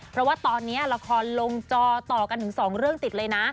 เพราะว่าตอนนี้ละครลงจอต่อกันถึง๒เรื่องติดเลยนะ